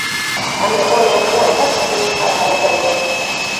ameonya kuwa endapo majeshi hayo hayataondoka